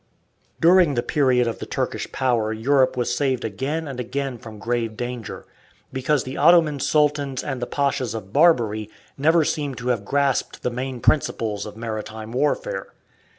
During the period of the Turkish power Europe was saved again and again from grave danger, because the Ottoman Sultans and the Pashas of Barbary never seem to have grasped the main principles of maritime warfare.